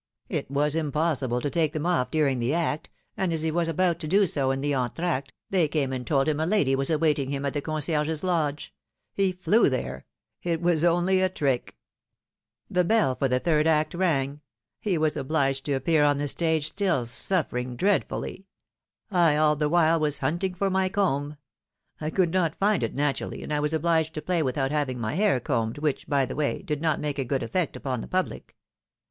It was impossible to take them off during the act ; and as he was about doing so in the entr^acte, they came and told him a lady was awaiting him at the con^ ciergds lodge: he flew there; it was only a trick. The 214 PHILOMENE^S MAERIAGES. bell for the third act rang ; he was obliged to appear on the stage, still suflPering dreadfully ; I all the while was hunt ing for my comb ! I could not find it, naturally, and I w'as obliged to play without having my hair combed, which, by the way, did not make a good effect upon the public.